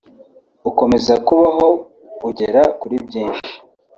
ukomeza kubaho ugera kuri byinshi